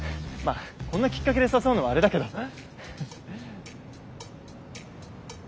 まあこんなきっかけで誘うのはあれだけど。